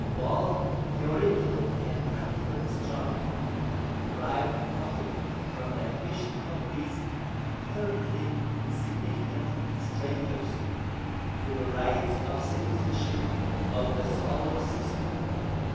Both theoretical and practical astronomy derived profit from the admission of these apparently insignificant strangers to the rights of citizenship of the solar system.